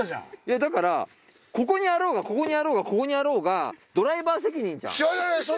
だからここにあろうがここにあろうがここにあろうがドライバー責任じゃん。